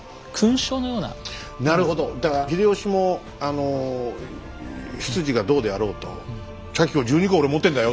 だから秀吉も出自がどうであろうと茶器を１２個俺持ってんだよと。